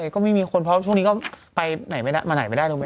ก็ไม่มีคนเพราะช่วงนี้ก็ไปไหนไม่ได้มาไหนไม่ได้รู้ไหม